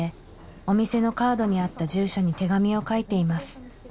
「お店のカードにあった住所に手紙を書いています」